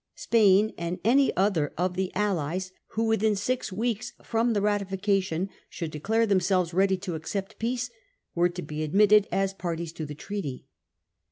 Spain and any other of the allies who within six weeks from the ratification should declare themselves ready to accept peace were to be admitted as parties to the treaty.